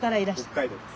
北海道です。